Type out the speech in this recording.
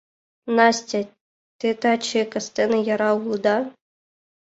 Настя, те таче кастене яра улыда?